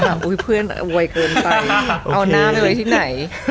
ไปถามเพื่อนเวยกลัวนไปเอาหน้าไปไหน